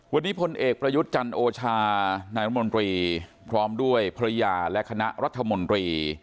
วันนี้พลเอกประยุทธ์จันโอชานายรัฐมนตรีพร้อมด้วยภรรยาและคณะรัฐมนตรี